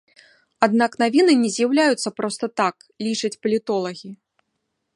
Аднак навіны не з'яўляюцца проста так, лічаць палітолагі.